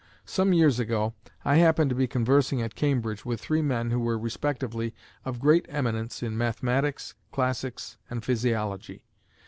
Some years ago I happened to be conversing at Cambridge with three men who were respectively of great eminence in mathematics, classics, and physiology.